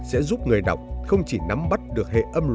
sẽ giúp người đọc